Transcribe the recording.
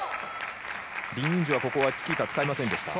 リン・インジュは、ここチキータ使いませんでした。